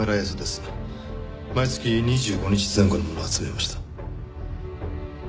毎月２５日前後のものを集めました。